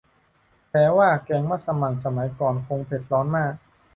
แปลว่าแกงมัสหมั่นสมัยก่อนคงเผ็ดร้อนมาก